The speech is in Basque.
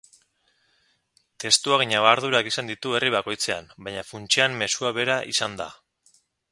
Testuak ñabardurak izan ditu herri bakoitzean, baina funtsean mezua bera izan da.